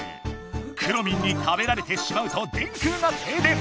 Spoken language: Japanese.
くろミンに食べられてしまうと電空がてい電！